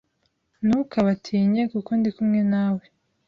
Ntukabatinye kuko ndi kumwe nawe